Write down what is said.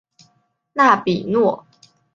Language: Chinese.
纳比诺。